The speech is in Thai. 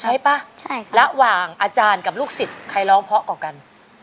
ใช่ป่ะใช่ค่ะระหว่างอาจารย์กับลูกศิษย์ใครร้องเพราะกว่ากัน